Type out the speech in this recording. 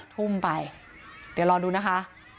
ทุ่มไปเดี๋ยวรอดูนะคะ